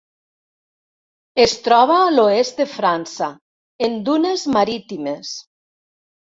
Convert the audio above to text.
Es troba a l'oest de França en dunes marítimes.